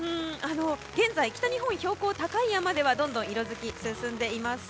現在、北日本の標高の高い山ではどんどん色づきが進んでいます。